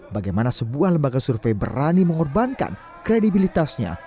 bagaimana sebuah lembaga survei berani mengorbankan kredibilitasnya